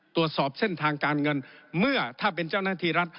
ตรวจสอบเส้นทางการเงินเมื่อถ้าเป็นเจ้าหน้าที่รัฐ